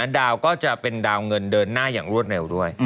ดาวก็จะเป็นดาวเงินเดินหน้าอย่างรวดเร็วด้วย